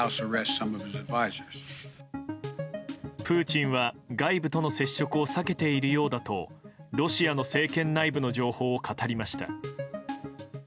プーチンは外部との接触を避けているようだとロシアの政権内部の情報を語りました。